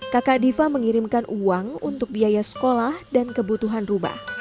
kakak diva mengirimkan uang untuk biaya sekolah dan kebutuhan rumah